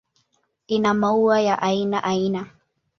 Ina maua ya aina aina.